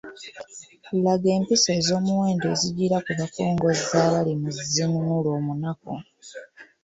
Laga empisa ez’omuwendo ezijjira ku bakongozzi abali mu “Zinunula omunaku”.